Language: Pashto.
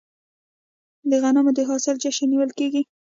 د غنمو د حاصل جشن نیول کیږي.